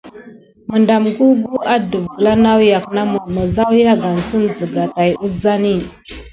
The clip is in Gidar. Məɗam gugu adəf gəla nawyak namə, məzawyagansəm zəga tay əzani.